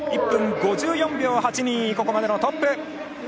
１分５４秒８２、ここまでのトップ。